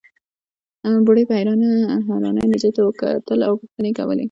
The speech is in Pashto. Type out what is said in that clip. بوډۍ په حيرانۍ نجلۍ ته کتل او پوښتنې يې کولې.